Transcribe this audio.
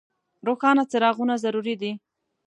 روښانه څراغونه ضروري دي.